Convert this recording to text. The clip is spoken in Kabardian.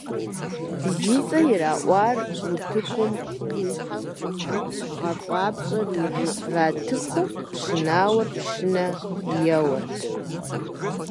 Зи цӀэ ираӀуэр утыкум къихьэху, гъэфӀапщӀэр иратыху, пшынауэхэр пшынэ еуэрт.